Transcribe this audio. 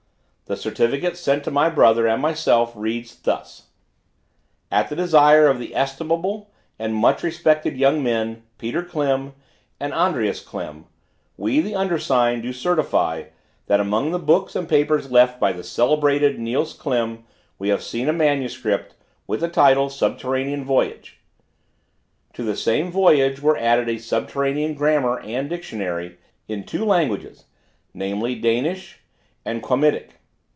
The certificate sent to my brother and myself reads thus: "At the desire of the estimable and much respected young men, PETER KLIM and ANDREAS KLIM, we, the undersigned, do certify, that among the books and papers left by the celebrated NIELS KLIM, we have seen a manuscript, with the title, 'Subterranean Voyage.' To the same 'Voyage' were added a subterranean Grammar and Dictionary, in two languages, namely, Danish and Quamitic.